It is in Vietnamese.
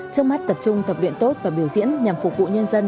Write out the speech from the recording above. trước mắt tập trung tập luyện tốt và biểu diễn nhằm phục vụ nhân dân